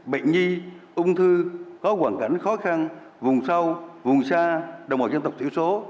bệnh nhi ung thư có quản gắn khó khăn vùng sâu vùng xa đồng hồ dân tộc thiếu số